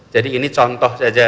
jadi ini contoh saja